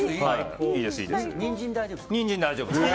ニンジン大丈夫ですか？